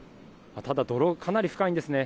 ただ、泥かなり深いですね。